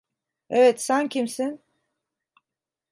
Evet, sen kimsin?